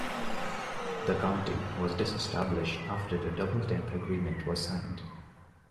The county was disestablished after the Double Tenth Agreement was signed.